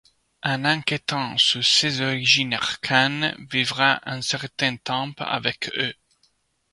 En enquêtant sur ses origines Arkane vivra un certain temps avec eux.